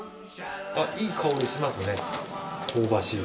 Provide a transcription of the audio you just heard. あっいい香りしますね香ばしい。